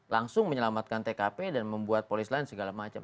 langsung menyelamatkan tkp dan membuat polis lain segala macam